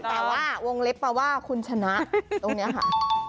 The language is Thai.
แต่ว่าวงเล็บแปลว่าคุณชนะตรงนี้ค่ะ